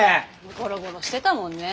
ゴロゴロしてたもんねえ。